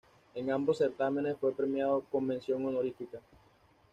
En ambos certámenes fue premiado con mención honorífica.